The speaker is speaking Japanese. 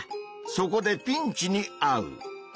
そこでピンチにあう！